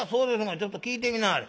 ちょっと聞いてみなはれ」。